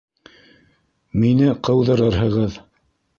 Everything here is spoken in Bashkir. Мине ҡыуҙырырһығыҙ.